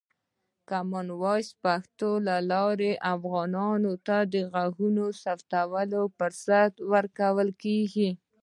د کامن وایس پښتو له لارې، افغانانو ته د غږونو ثبتولو فرصت ورکول کېږي.